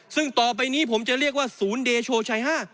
ซึ่งต่อไปนี้ผมจะเรียกว่าศูนย์เดโชชัย๕